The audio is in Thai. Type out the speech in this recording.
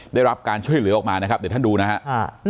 ได้รับการช่วยเหลือออกมานะครับเดี๋ยวท่านดูนะครับ